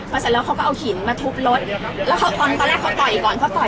พอเสร็จแล้วเขาก็เอาหินมาทุบรถแล้วเขาตอนตอนแรกเขาต่อยก่อนเขาต่อย